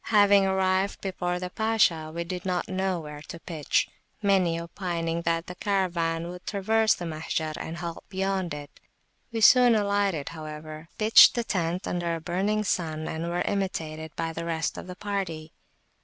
Having arrived before the Pasha, we did not know where to pitch; many opining that the Caravan would traverse the Mahjar and halt beyond it. We soon alighted, however, pitched the tent under a burning sun, and were imitated by the rest of the party.